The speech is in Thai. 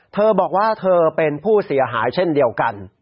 เธอบอกว่าเธอเป็นผู้เสียหายเช่นเดียวกัน